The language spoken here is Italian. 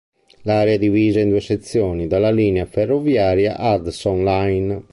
L'area è divisa in due sezioni dalla linea ferroviaria Hudson Line.